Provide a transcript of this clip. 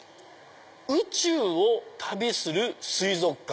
「宇宙を旅する水族館」。